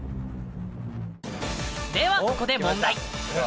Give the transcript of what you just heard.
ではここで問題。